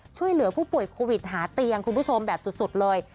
ช่วยเหลือผู้ป่วยโควิดหาเตียงคุณผู้ชมแบบสุดเลย